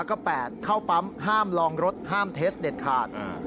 แล้วก็๘เข้าปั๊มห้ามลองรถห้ามเทสเด็ดขาด